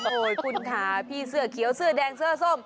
โอ้โหคุณค่ะพี่เสื้อเขียวเสื้อแดงเสื้อส้ม